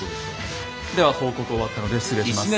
では報告終わったので失礼します。